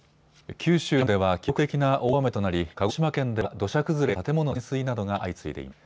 九州南部では記録的な大雨となり、鹿児島県では土砂崩れや建物の浸水などが相次いでいます。